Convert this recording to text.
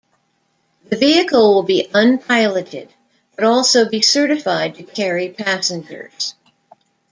The vehicle will be unpiloted, but also be certified to carry passengers.